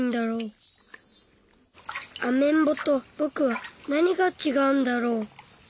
アメンボとぼくはなにが違うんだろう。